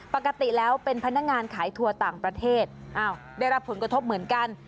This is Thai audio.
ปกติแล้วเป็นพนักงานขายทัวร์ต่างประเทศอ้าวได้รับผลกระทบเหมือนกัน